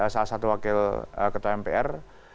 salah satu wakil ketua mpr